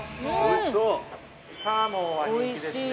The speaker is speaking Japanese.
サーモンは人気ですね